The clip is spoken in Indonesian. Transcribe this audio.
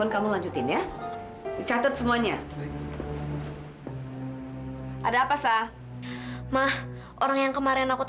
kamu tenang banget